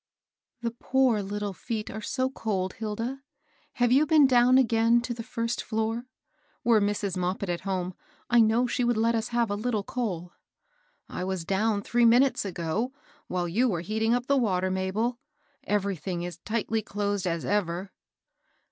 " The poor little feet are so cold, Hilda. Have you been down again to the first floor? Weie 892 MABEL BOSS. Mrs. Moppit at home, I know she would let us hare a little coal." '^ I was down three mmntes ago, while you were heating up the water, Mabel. Everything is tightly closed as ever."